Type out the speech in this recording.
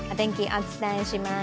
お伝えします。